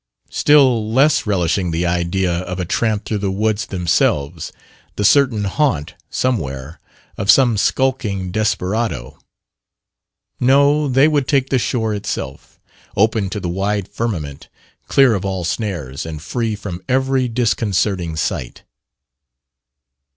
Still less relishing the idea of a tramp through the woods themselves, the certain haunt somewhere of some skulking desperado. No, they would take the shore itself open to the wide firmament, clear of all snares, and free from every disconcerting sight.